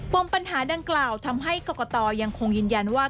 มปัญหาดังกล่าวทำให้กรกตยังคงยืนยันว่า